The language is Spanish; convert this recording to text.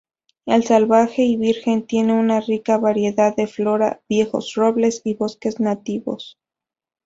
El salvaje y virgen tiene una rica variedad de flora, viejos robles, bosques nativos.